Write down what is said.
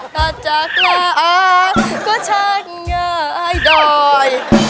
แต่จากแล้วก็ชัดง่ายดอย